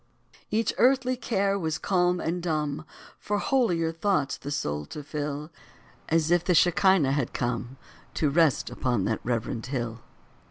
Each earthly care was calm and dumb, For holier thoughts the soul to fill; As if the Shechinah had come To rest upon that reverend hill.